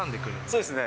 そうですね。